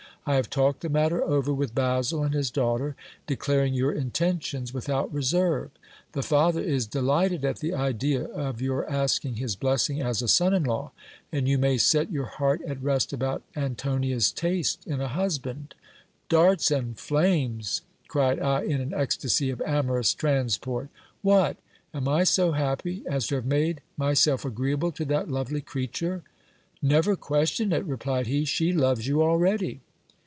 I have talked the matter over with Basil and his daughter, declaring your intentions without reserve. The father is delighted at the idea of your asking his blessing as a son in law ; and you may set your heart at rest about Antonia's taste in a husband. Darts and flames ! cried I in an ecstacy of amorous transport ; what ! am I so happy as to have made myself agreeable to that lovely creature ? Never question it, replied he ; she loves you already.